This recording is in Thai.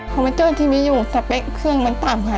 เมเจอร์ที่มีอยู่สเปคเครื่องมันต่ำค่ะ